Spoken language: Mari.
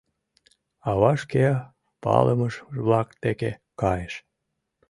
Ава шке палымыж-влак деке кайыш.